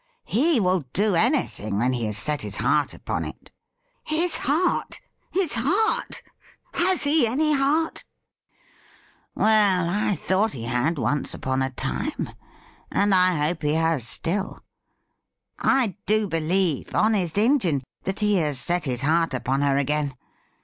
He will do any thing when he has set his heart upon it.' ' His heart ! His heart ! Has he any heart .''' 'Well, I thought he had once upon a time, and I hope he has still. I do believe, honest Injin, that he has Set his heart upon her again.